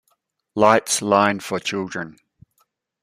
Lights line for children.